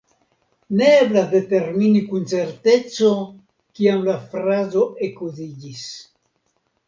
Ne eblas determini kun certeco kiam la frazo ekuziĝis.